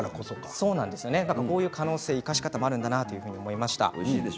こういう可能性生かし方もあるんだなと思いました。